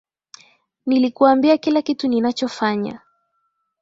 Nilikuambia kila kitu ninachofanya